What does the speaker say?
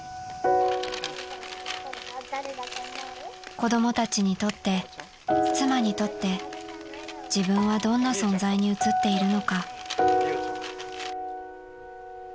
［子供たちにとって妻にとって自分はどんな存在に映っているのか］